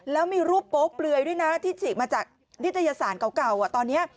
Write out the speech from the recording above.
แล้วมีรูปโป๊เปลือยด้วยนะที่ฉีกมาจากนิตยสารเก่าตอนนี้